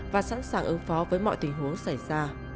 và sẵn sàng ứng phó với mọi tình huống xảy ra